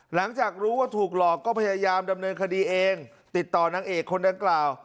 หลังจากรู้ว่าถูกหลอกก็พยายามดำเนินคดีเองติดต่อนางเอกคนดังกล่าว